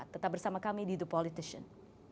tetap bersama kami di the politician